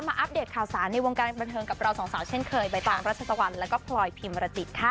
อัปเดตข่าวสารในวงการบันเทิงกับเราสองสาวเช่นเคยใบตองรัชตะวันแล้วก็พลอยพิมรจิตค่ะ